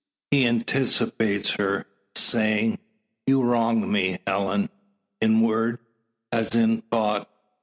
He anticipates her, saying: "You wrong me, Helen, in word, as in thought.